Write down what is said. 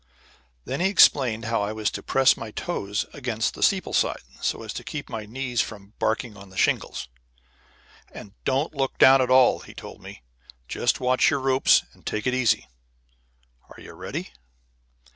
Then he explained how I was to press my toes against the steeple side, so as to keep my knees from barking on the shingles. "And don't look down at all," he told me. "Just watch your ropes and take it easy. Are you ready?"